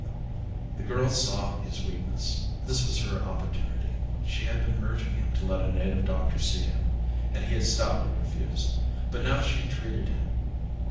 The girl saw his weakness. This was her opportunity. She had been urging him to let a native doctor see him, and he had stoutly refused; but now she entreated him.